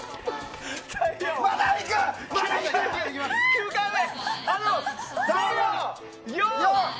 ９回目。